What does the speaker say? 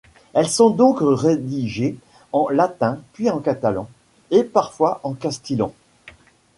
Elles sont donc rédigées en latin, puis en catalan, et parfois en castillan.